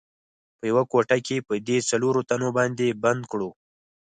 په یوه کوټه کې په دې څلورو تنو باندې بند کړو.